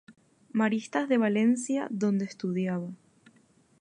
Maristas de Valencia donde estudiaba.